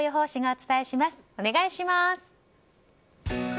お願いします。